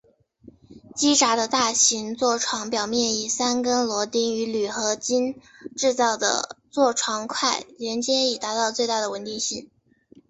机匣的大型座床表面以三根螺钉与铝合金制造的座床块连接以达到最大的稳定性。